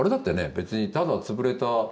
別にただ潰れた。